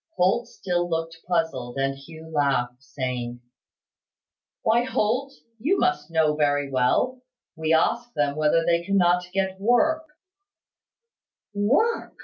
Holt still looked puzzled, and Hugh laughed, saying, "Why, Holt, you must know very well. We ask them whether they cannot get work." "Work!"